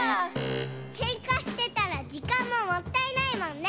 けんかしてたらじかんももったいないもんね。